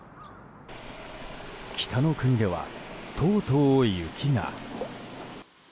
北の国では、とうとう雪が。